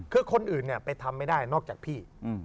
คือคนอื่นไปทำไม่ได้นอกจากพี่